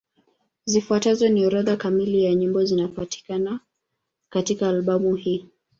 Zifuatazo ni orodha kamili ya nyimbo zinapatikana katika albamu hii.